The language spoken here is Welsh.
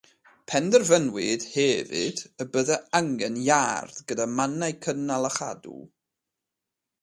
Penderfynwyd hefyd y byddai angen iard gyda mannau cynnal a chadw.